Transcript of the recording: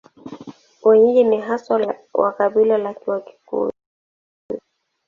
Wenyeji ni haswa wa kabila la Wakikuyu.